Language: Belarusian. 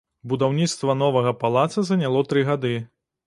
Будаўніцтва новага палаца заняло тры гады.